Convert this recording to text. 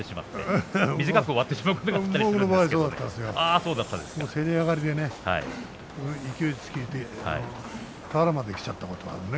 すり上がりで勢いつけて俵まできちゃったことがあるね。